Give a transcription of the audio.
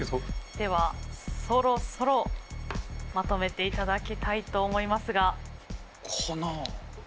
ではそろそろまとめていただきたいと思いますが。かな？